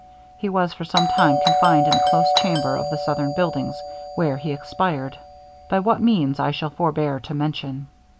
He was for some time confined in a close chamber of the southern buildings, where he expired; by what means I shall forbear to mention.